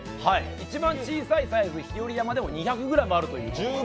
一番小さいサイズの日和山でも２００ｇあるという。